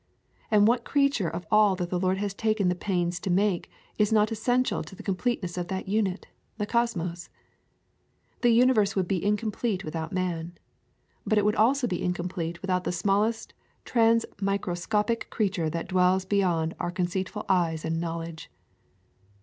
And what creature of all that the Lord has taken the pains to make is not essential to the com pleteness of that unit — the cosmos? The uni verse would be incomplete without man; but it would also be incomplete without the small est transmicroscopic creature that dwells be yond our conceitful eyes and knowledge.